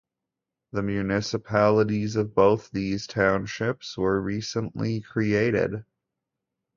The municipalities of both of these townships were recently created.